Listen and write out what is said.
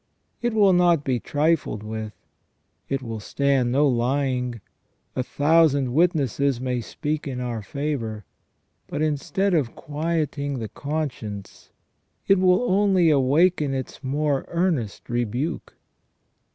It will not be trifled with ; it will stand no lying ; a thousand witnesses may speak in our favour, but instead of quiet ing the conscience it will only awaken its more earnest rebuke.